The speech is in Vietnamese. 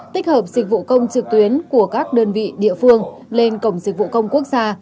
tích hợp dịch vụ công trực tuyến của các đơn vị địa phương lên cổng dịch vụ công quốc gia